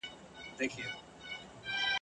چي یو ځل مي وای لیدلی خپل منبر تر هسکه تللی !.